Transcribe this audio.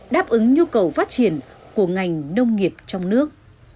đáp ứng nhu cầu phát triển của ngành nông nghiệp trong nước